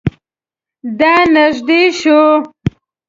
دا نژدې شوی؟